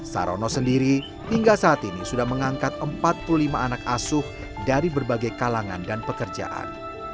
sarono sendiri hingga saat ini sudah mengangkat empat puluh lima anak asuh dari berbagai kalangan dan pekerjaan